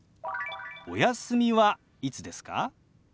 「お休みはいつですか？」。